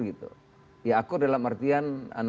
gitu ya akur dalam artian